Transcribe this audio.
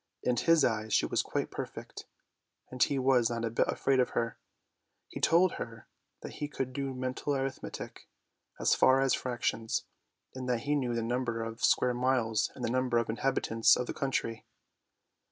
In his eyes she was quite perfect, and he was not a bit afraid of her; he told her that he could do mental arithmetic, as far as fractions, and that he knew the number of square miles and the number of inhabitants of the country.